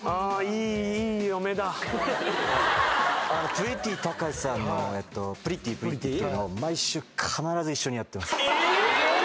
プリティたかしさんのプリティプリティっていうのを毎週必ず一緒にやってます。